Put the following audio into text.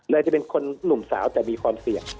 จะเป็นคนหนุ่มสาวแต่มีความเสี่ยง